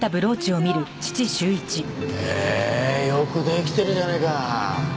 へえよく出来てるじゃねえか。